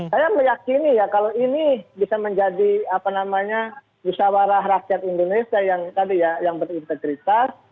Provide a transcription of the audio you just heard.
saya meyakini ya kalau ini bisa menjadi apa namanya musawarah rakyat indonesia yang tadi ya yang berintegritas